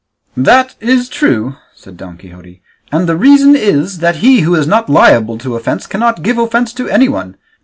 "That is true," said Don Quixote, "and the reason is, that he who is not liable to offence cannot give offence to anyone.